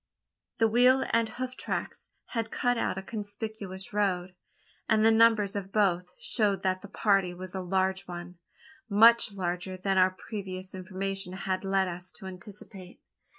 The wheel and hoof tracks had cut out a conspicuous road; and the numbers of both showed that the party was a large one much larger than our previous information had led us to anticipate.